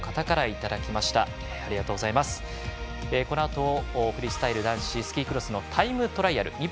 このあと、フリースタイル男子スキークロスのタイムトライアル。